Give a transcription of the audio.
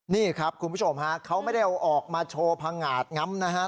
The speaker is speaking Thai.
นี่ครับคุณผู้ชมฮะเขาไม่ได้เอาออกมาโชว์พังงาดง้ำนะฮะ